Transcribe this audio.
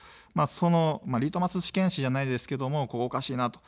そのリトマス試験紙じゃないですけど、ここおかしいなと。